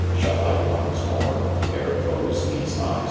shall I onee more— Ere close these, eyes